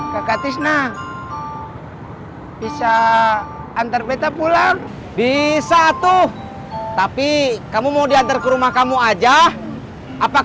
kakak tisna bisa antar betta pulang bisa tuh tapi kamu mau diantar ke rumah kamu aja apa